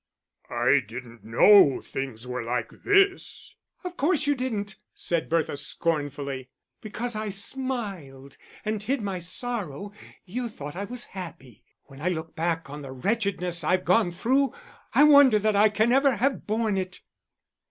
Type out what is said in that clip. "I didn't know things were like this." "Of course you didn't!" said Bertha, scornfully. "Because I smiled and hid my sorrow, you thought I was happy. When I look back on the wretchedness I've gone through, I wonder that I can ever have borne it."